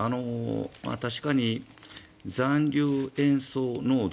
確かに残留塩素濃度